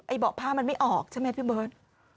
เบาะผ้ามันไม่ออกใช่ไหมพี่เบิร์ต